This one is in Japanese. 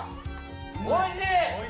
おいしい！